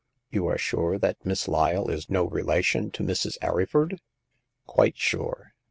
You are sure that Miss Lyle is no relation to Mrs. Arryford ?"" Quite sure.